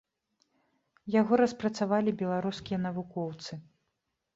Яго распрацавалі беларускія навукоўцы.